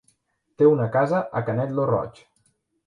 Té una casa a Canet lo Roig.